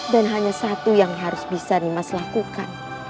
dan hanya satu yang harus bisa nimas lakukan